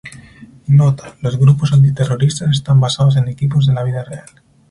Nota: Los grupos anti-terroristas están basados en equipos de la vida real.